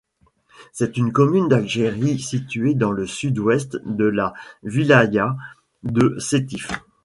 C'est une commune d'Algérie située dans le sud-ouest de la wilaya de Sétif.